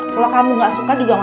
kalau kamu nggak suka juga mama mau